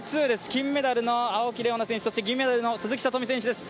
金メダルの青木玲緒樹選手、そして銀メダルの鈴木聡美選手です。